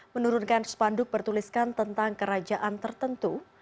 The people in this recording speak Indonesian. menurunkan spanduk bertuliskan tentang kerajaan tertentu